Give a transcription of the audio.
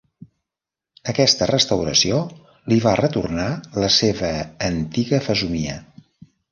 Aquesta restauració li va retornar la seva antiga fesomia.